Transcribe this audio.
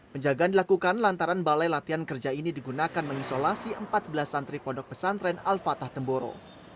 penjagaan dilakukan lantaran balai latihan kerja ini digunakan mengisolasi empat belas santri pondok pesantren al fatah temboro